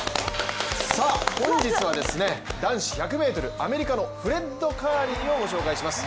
本日は、男子１００ｍアメリカのフレッド・カーリーをご紹介します。